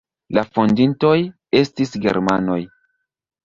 La fondintoj estis germanoj.